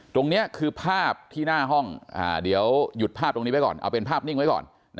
ตรงนี้คือภาพที่หน้าห้องเดี๋ยวหยุดภาพตรงนี้ไว้ก่อนเอาเป็นภาพนิ่งไว้ก่อน